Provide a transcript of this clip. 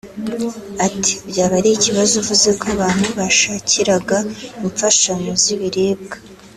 ati “ byaba ari ikibazo uvuze ko abantu washakiraga imfashanyo z’ibiribwa